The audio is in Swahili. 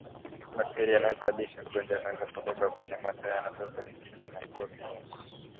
Bakteria anayesababisha ugonjwa anaweza kubebwa kwenye mate yanayotoka kwenye kinywa na pua au kinyesi